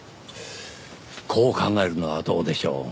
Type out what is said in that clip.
こう考えるのはどうでしょう。